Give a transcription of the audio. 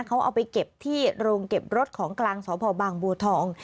เขาเอาไปเก็บที่โรงเก็บรถของกลางสพบางบัวทอง